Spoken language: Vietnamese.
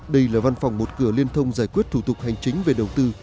đây là văn phòng một cửa liên thông giải quyết thủ tục hành chính về đầu tư